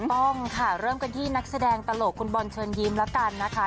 ต้องค่ะเริ่มกันที่นักแสดงตลกคุณบอลเชิญยิ้มแล้วกันนะคะ